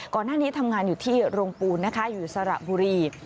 ก่อนหน้านี้ทำงานอยู่ที่โรงปูนนะคะอยู่สระบุรี